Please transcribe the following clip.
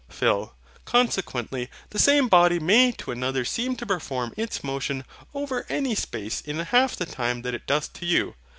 PHIL. Consequently the same body may to another seem to perform its motion over any space in half the time that it doth to you.